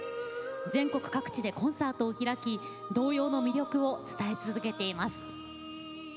全国各地でコンサートを開き童謡の魅力を伝え続けています。